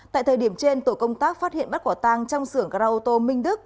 tại thời điểm trên tổ công tác phát hiện bắt quả tăng trong xưởng gara auto minh đức